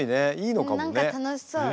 何か楽しそう。